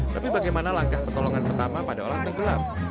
tapi bagaimana langkah pertolongan pertama pada orang tenggelam